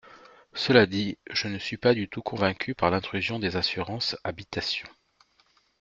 Cela dit, je ne suis pas du tout convaincue par l’intrusion des assurances habitation.